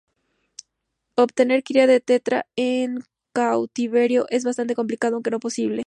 Obtener cría de tetra en cautiverio es bastante complicado aunque no imposible.